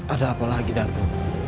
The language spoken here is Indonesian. ada apa lagi datuk